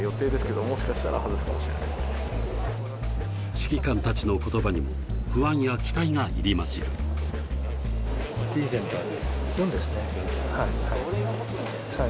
指揮官たちの言葉にも不安や期待が入り混じる。